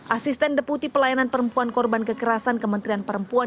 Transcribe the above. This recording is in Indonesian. asisten deputi pelayanan perempuan korban kekerasan kementerian perempuan